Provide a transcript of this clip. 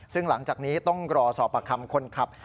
ซึ่งหลังจากนี้ต้องรอสอบประคำคนขับ